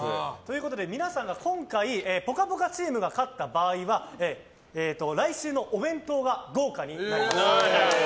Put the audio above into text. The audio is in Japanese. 今回「ぽかぽか」チームが勝った場合来週のお弁当が豪華になります。